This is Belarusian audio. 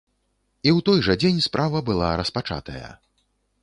І ў той жа дзень справа была распачатая.